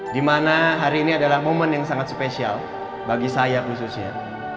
di mana hari ini adalah momen yang sangat spesial bagi saya khususnya